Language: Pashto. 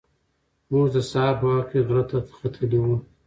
موږ د سهار په وخت کې غره ته ختلي وو.